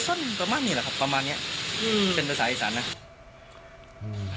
ส่วนก็มีแหละครับประมาณเนี้ยอืมเป็นตัวสาเหตุจาระนะอืม